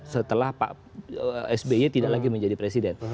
setelah pak sby tidak lagi menjadi presiden